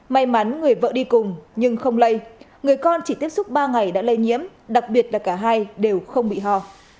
may mắn người vợ đi cùng nhưng không lây người con chỉ tiếp xúc ba ngày đã lây nhiễm đặc biệt là cả hai đều không bị ho